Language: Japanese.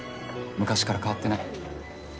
昔から変わってない。